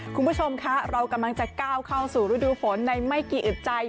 คุณผู้ชมคะเรากำลังจะก้าวเข้าสู่ฤดูฝนในไม่กี่อึดใจ